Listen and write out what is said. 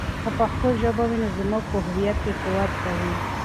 که پښتو ژبه وي، نو زموږ په هویت کې قوت به وي.